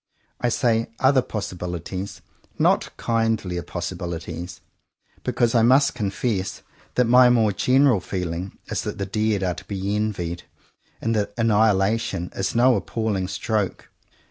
I say "other" possibilities, not kindlier possibilities, because I must confess that my more general feeling is that the dead are to be envied, and that annihilation is no "appalling stroke."